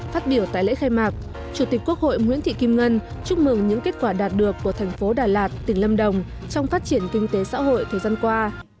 phát biểu tại lễ khai mạc chủ tịch quốc hội nguyễn thị kim ngân chúc mừng những kết quả đạt được của thành phố đà lạt tỉnh lâm đồng trong phát triển kinh tế xã hội thời gian qua